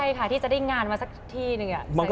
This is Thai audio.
ใช่ค่ะที่จะได้งานมาสักที่หนึ่ง